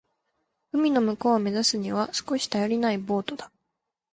海の向こうを目指すには少し頼りないボートだ。